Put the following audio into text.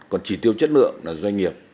còn chỉ tiêu chất lượng là doanh nghiệp